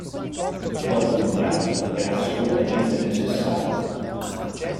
Dopo un viaggio è assolutamente necessaria.